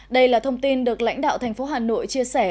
đây là thông tin được lãnh đạo thành phố hà nội chia sẻ